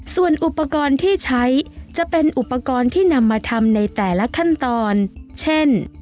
ส่วนอุปกรณ์ที่ใช้จะเป็นอุปกรณ์ที่นำมาทำในแต่ละขั้นตอนเช่น